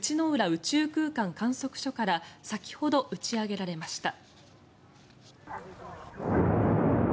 宇宙空間観測所から先ほど打ち上げられました。